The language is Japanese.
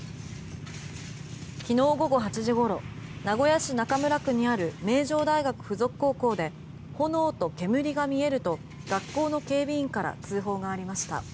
昨日午後８時ごろ名古屋市中村区にある名城大学附属高校で炎と煙が見えると学校の警備員から通報がありました。